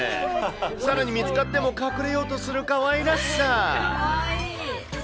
さらに見つかっても隠れようとするかわいらしさ。